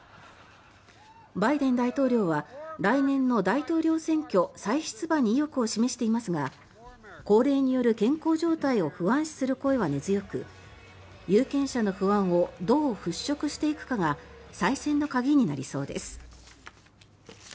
バイデン大統領は来年の大統領選挙再出馬に意欲を示していますが高齢による健康状態を不安視する声は根強く有権者の不安をどう払しょくしていくかが再選の鍵になりそうです。